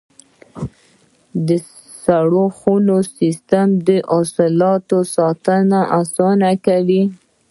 د سړو خونو سیستم د حاصلاتو ساتنه اسانه کوي.